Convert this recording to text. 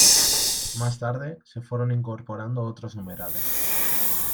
Más tarde, se fueron incorporando otros numerales.